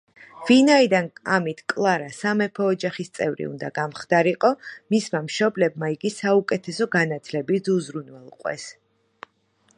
ვინაიდან ამით კლარა სამეფო ოჯახის წევრი უნდა გამხდარიყო, მისმა მშობლებმა იგი საუკეთესო განათლებით უზრუნველყვეს.